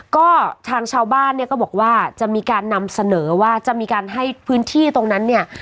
ก็ทางชาวบ้านเนี่ยก็บอกว่าจะมีการนำเสนอว่าจะมีการให้พื้นที่ตรงนั้นเนี่ย